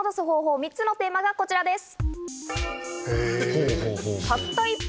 ３つのテーマがこちらです。